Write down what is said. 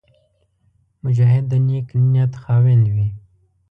مجاهد د نېک نیت خاوند وي.